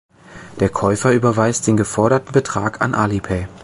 Der Käufer überweist den geforderten Betrag an Alipay.